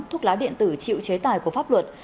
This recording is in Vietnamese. thuốc lá điện tử chịu chế tài của pháp luật